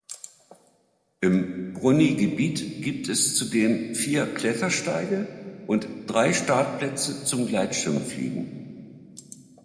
Im Brunni-Gebiet gibt es zudem vier Klettersteige und drei Startplätze zum Gleitschirmfliegen.